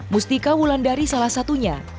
mustika wulandari salah satunya